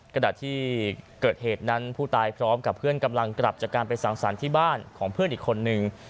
ขณะที่เกิดเหตุนั้นผู้ตายพร้อมกับเพื่อนกำลังกลับจากการไปสั่งสรรค์ที่บ้านของเพื่อนอีกคนนึง